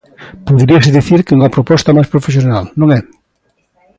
Poderíase dicir que é unha proposta máis profesional, non é?